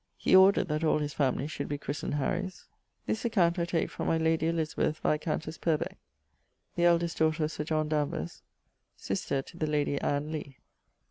He ordered that all his family should be christned Harry's. This account I take from my lady Elizabeth viscountesse Purbec, the eldest daughter of Sir John Danvers, sister to the lady Anne Lee.